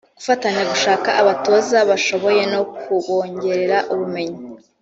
gufatanya gushaka abatoza bashoboye no kubongerera ubumenyi